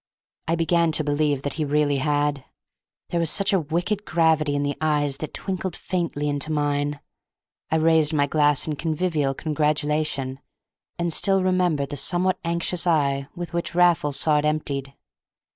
I began to believe that he really had, there was such a wicked gravity in the eyes that twinkled faintly into mine. I raised my glass in convivial congratulation, and still remember the somewhat anxious eye with which Raffles saw it emptied.